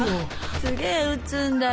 すげえ撃つんだよ。